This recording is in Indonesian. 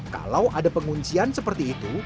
kalau ada penguncian seperti itu